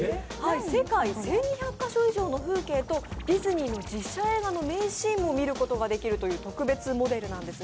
世界１２００カ所以上の風景とディズニーの実写映画の名シーンを見ることができる特別モデルです。